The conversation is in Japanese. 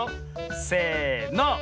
せの。